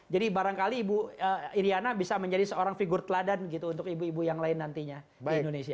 jadi barangkali ibu iriana bisa menjadi seorang figur teladan gitu untuk ibu ibu yang lain nantinya di indonesia